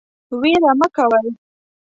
ویره مه کوئ